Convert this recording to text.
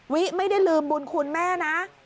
วิไม่ได้ลืมบุญคุณแม่นะ